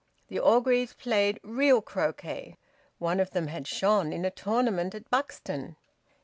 The Orgreaves played real croquet; one of them had shone in a tournament at Buxton.